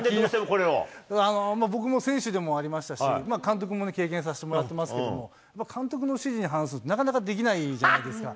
僕も選手でもありましたし、監督もね、経験させてもらってますけど、監督の指示に反するって、なかなかできないじゃないですか。